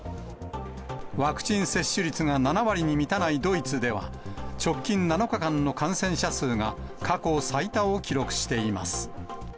ワクチン接種率が７割に満たないドイツでは、直近７日間の感染者数が過去最多を記録しています。